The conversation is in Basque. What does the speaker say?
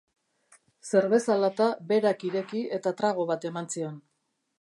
Zerbeza lata berak ireki eta trago bat eman zion.